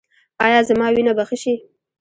ایا زما وینه به ښه شي؟